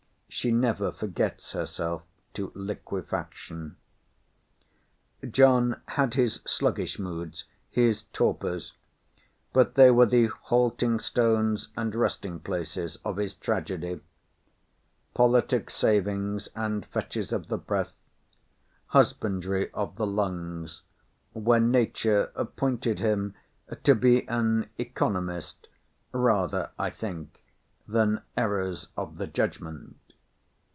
He had his sluggish moods, his torpors—but they were the halting stones and resting places of his tragedy politic savings, and fetches of the breath—husbandry of the lungs, where nature pointed him to be an economist—rather, I think, than errors of the judgment.